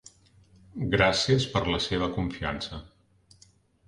Gràcies per la seva confiança.